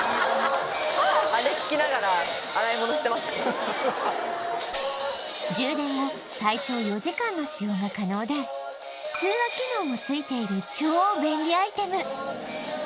してますね充電後最長４時間の使用が可能で通話機能もついている超便利アイテム